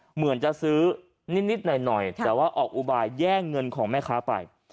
เหมือนจะซื้อนิดหน่อยแต่ว่าออกอุบายแย่งเงินของแม่ค้าไป